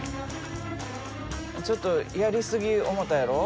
ちょっとやりすぎ思うたやろ？